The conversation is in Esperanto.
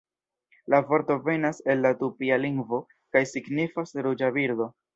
La vorto venas el la tupia lingvo kaj signifas "ruĝa birdo".